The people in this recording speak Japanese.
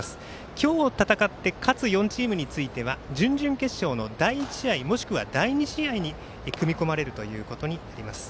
今日、戦って勝つチームについては準々決勝の第１試合もしくは第２試合に組み込まれるということになります。